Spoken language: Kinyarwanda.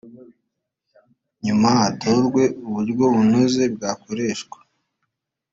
nyuma hatorwe uburyo bunoze bwakoreshwa